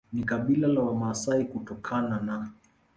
ni kabila la Wamasai kutokana na